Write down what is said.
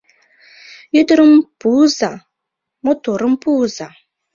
Ӱдырым пуыза — моторым пуыза!